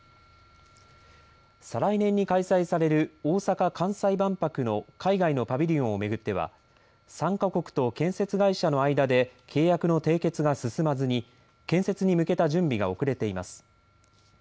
再来年に開催される大阪・関西万博の海外のパビリオンを巡っては参加国と建設会社の間で契約の締結が進まずに建設に向けた準備が遅れています。